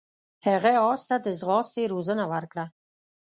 هغه اس ته د ځغاستې روزنه ورکړه.